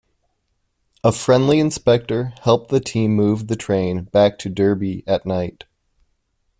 A friendly inspector helped the team move the train back to Derby at night.